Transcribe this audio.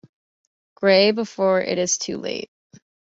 Gray before it is too late.